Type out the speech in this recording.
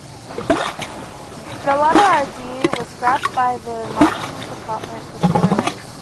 The latter idea was scrapped by the marketing department before release.